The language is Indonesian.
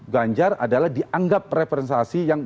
ganjar adalah dianggap referensasi yang didukung di kanjar pranowo